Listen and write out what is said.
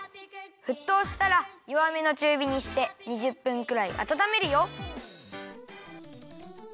ふっとうしたらよわめのちゅうびにして２０分くらいあたためるよ！